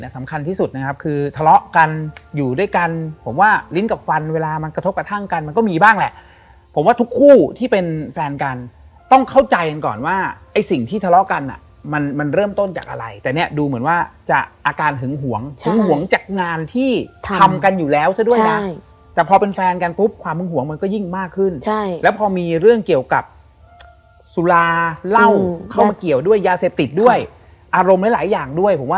สำคัญที่สุดนะครับคือทะเลาะกันอยู่ด้วยกันผมว่าลิ้นกับฟันเวลามันกระทบกับท่างกันมันก็มีบ้างแหละผมว่าทุกคู่ที่เป็นแฟนกันต้องเข้าใจกันก่อนว่าไอ้สิ่งที่ทะเลาะกันน่ะมันมันเริ่มต้นจากอะไรแต่เนี้ยดูเหมือนว่าจะอาการหึงหวงหึงหวงจากงานที่ทำกันอยู่แล้วซะด้วยน่ะใช่แต่พอเป็นแฟน